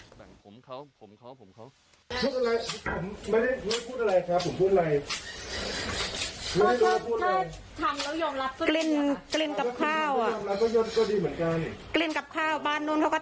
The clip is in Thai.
ถ่ายทำไมครับ